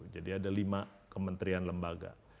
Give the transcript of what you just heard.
jadi ada lima kementerian lembaga